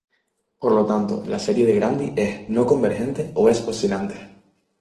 Por lo tanto, la serie de Grandi es no-convergente o es oscilante.